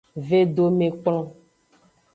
Vedomekplon.